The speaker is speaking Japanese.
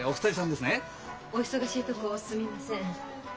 お忙しいところすみません。